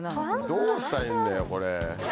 どうしたらいいんだよこれ。